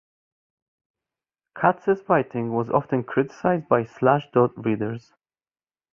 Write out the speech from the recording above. Katz's writing was often criticized by "Slashdot" readers.